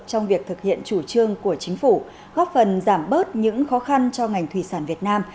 trong việc thực hiện chủ trương của chính phủ góp phần giảm bớt những khó khăn cho ngành thủy sản việt nam